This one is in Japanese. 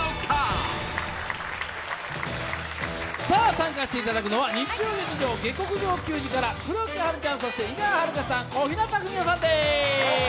参加していただくのは日曜劇場「下剋上球児」から黒木華さん、井川遥さん、小日向文世さんです。